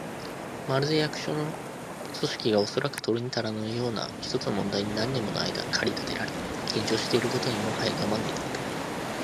まるで、役所の組織が、おそらくは取るにたらぬような一つの問題に何年ものあいだ駆り立てられ、緊張していることにもはや我慢できなくなり、